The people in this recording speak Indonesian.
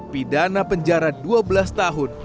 pidana penjara dua belas tahun